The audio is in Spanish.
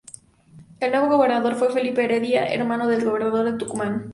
El nuevo gobernador fue Felipe Heredia, hermano del gobernador de Tucumán.